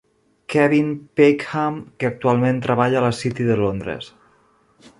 Kevin Pakenham, que actualment treballa a la City de Londres.